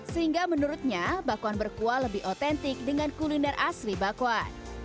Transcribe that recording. sehingga menurutnya bakwan berkuah lebih otentik dengan kuliner asli bakwan